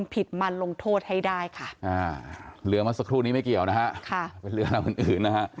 เป็นเรื่องอื่นนะฮะ